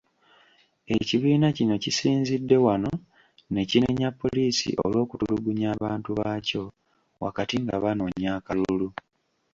Ekibiina kino kisinzidde wano nekinenya poliisi olw'okutulugunya abantu baakyo wakati nga banoonya akalulu.